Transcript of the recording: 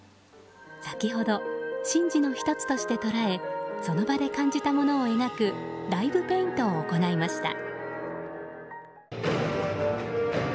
先ほど、神事の１つとして捉えその場で感じたものを描くライブペイントを行いました。